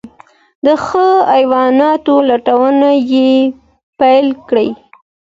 د ښو حیواناتو لټون یې پیل کړ.